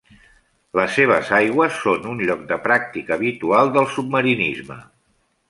Les seves aigües són un lloc de pràctica habitual del submarinisme.